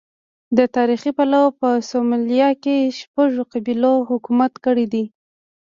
له تاریخي پلوه په سومالیا کې شپږو قبیلو حکومت کړی دی.